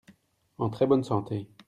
En très bonne santé.